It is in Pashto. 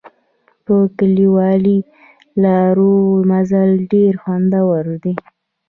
په کلیوالي لارو مزل ډېر خوندور دی.